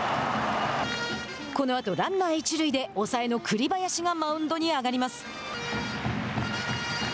このあと、ランナー一塁で抑えの栗林がマウンドに上がります。